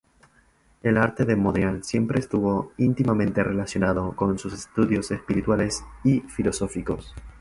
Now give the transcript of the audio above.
El arte de Mondrian siempre estuvo íntimamente relacionado con sus estudios espirituales y filosóficos.